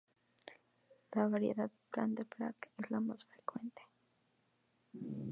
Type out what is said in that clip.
La variedad "Plant de Blanc" es la más frecuente.